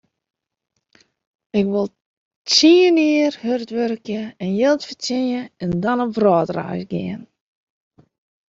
Ik wol tsien jier hurd wurkje en jild fertsjinje en dan op wrâldreis gean.